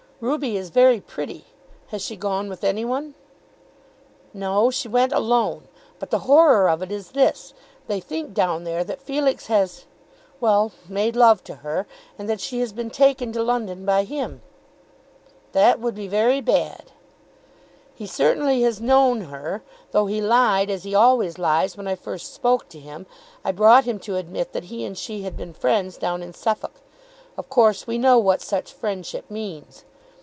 "Ruby is very pretty. Has she gone with any one?" "No; she went alone. But the horror of it is this. They think down there that Felix has, well, made love to her, and that she has been taken to London by him." "That would be very bad." "He certainly has known her. Though he lied, as he always lies, when I first spoke to him, I brought him to admit that he and she had been friends down in Suffolk. Of course we know what such friendship means.